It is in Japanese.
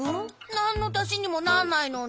なんのたしにもなんないのに。